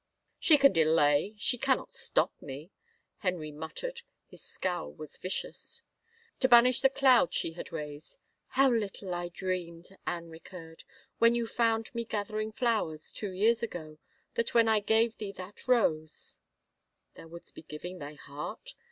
" She can delay — she cannot stop me," Henry mut tered. His scowl was vicious. To banish the cloud she had raised, " How little I dreamed," Anne recurred, " when you fotmd me gather ing flowers — two years ago — that when I gave thee that rose —" "Thou wouldst be giving thy heart?